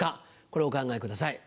これをお考えください。